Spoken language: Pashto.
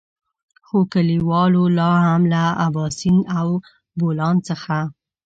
خو کليوالو لاهم له اباسين او بولان څخه.